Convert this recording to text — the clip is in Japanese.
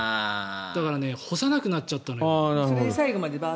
だから干さなくなっちゃったのよ。